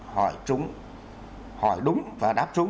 hỏi đúng và đáp trúng